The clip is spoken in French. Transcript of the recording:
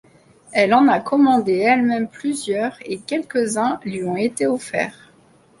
Elle en a commandé elle-même plusieurs et quelques-uns lui ont été offerts.